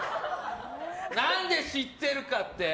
何で知ってるかって？